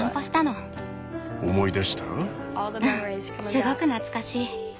すごく懐かしい。